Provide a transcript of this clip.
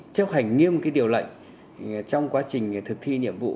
chấp hành nghiêm điều lệnh trong quá trình thực thi nhiệm vụ